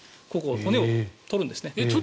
骨を取るんですね。